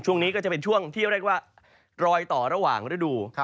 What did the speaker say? ช่วงนี้ก็จะเป็นช่วงที่เรียกว่ารอยต่อระหว่างฤดู